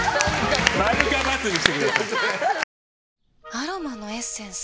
アロマのエッセンス？